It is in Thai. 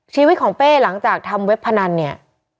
ชีวิตของเป้หลังจากทำเว็บพนันเนี่ย